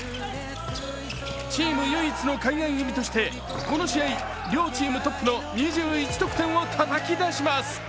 チーム唯一の海外組としてこの試合、両チームトップの２１得点をたたき出します。